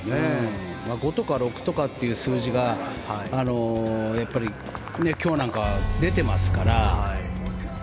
５とか６とかっていう数字がやっぱり今日なんかは出ていますから。